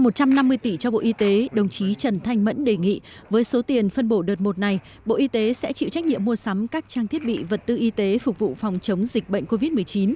trao một trăm năm mươi tỷ cho bộ y tế đồng chí trần thanh mẫn đề nghị với số tiền phân bổ đợt một này bộ y tế sẽ chịu trách nhiệm mua sắm các trang thiết bị vật tư y tế phục vụ phòng chống dịch bệnh covid một mươi chín